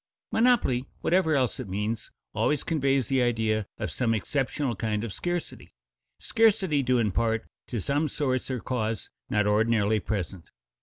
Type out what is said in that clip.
"Monopoly," whatever else it means, always conveys the idea of some exceptional kind of scarcity, scarcity due in part to some source or cause not ordinarily present.